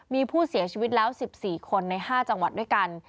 มีผู้เสียชีวิตแล้ว๑๔คนใน๕จังหวัดด้วยกัน